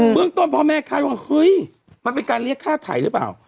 เรื่องต้นพ่อแม่คาดว่าเฮ้ยมันเป็นการเรียกฆ่าไถหรือเปล่า